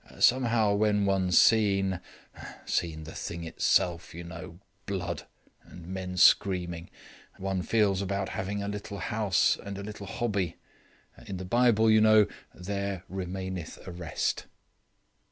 Somehow, when one's seen seen the thing itself, you know blood and men screaming, one feels about having a little house and a little hobby; in the Bible, you know, 'There remaineth a rest'."